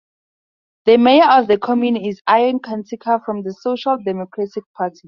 The mayor of the commune is Ion Catinca, from the Social Democratic Party.